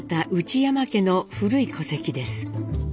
山家の古い戸籍です。